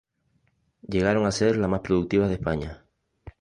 Llegaron a ser las más productivas de España.